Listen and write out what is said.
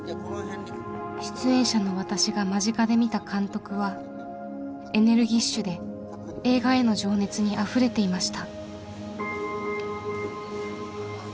出演者の私が間近で見た監督はエネルギッシュで映画への情熱にあふれていました。